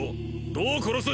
どう殺す？